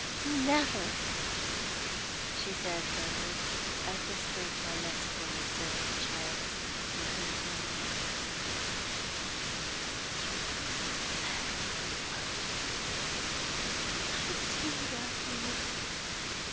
"Never!" she said, firmly. I whispered my next words, so that the child in the inner room might not hear us. "You once said you loved me!" "I do love you!"